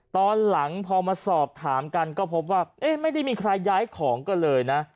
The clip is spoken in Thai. ตอนหลังพอมาสอบถามกันก็พบว่าไม่ได้มีใครย้ายของกันเลยนะ